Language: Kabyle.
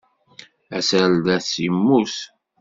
Aserdas yemmut.